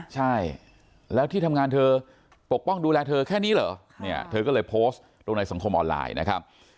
ใช่แล้วที่ทำงานเธอปกป้องดูแลเธอแค่นี้เหรอเนี่ยเธอก็เลยโพสต์ลงในสังคมออนไลน์นะครับ